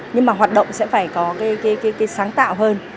nhưng mà hoạt động sẽ phải có cái sáng tạo hơn